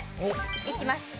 いきます。